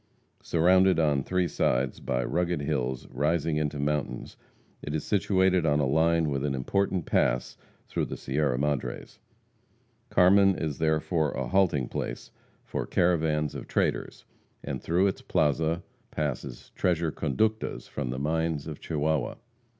Surrounded on three sides by rugged hills rising into mountains, it is situated on a line with an important pass through the Sierra Madres. Carmen is therefore a halting place for caravans of traders, and through its plaza passes treasure conductas from the mines of Chihuahua.